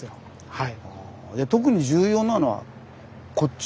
はい。